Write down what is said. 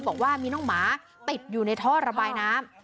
บอกว่ามีน้องหมาติดอยู่ในท่อระบายน้ำ